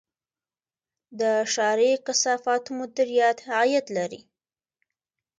د ښاري کثافاتو مدیریت عاید لري